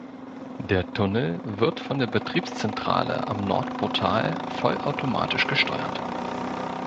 Der Tunnel wird von der Betriebszentrale am Nordportal vollautomatisch gesteuert.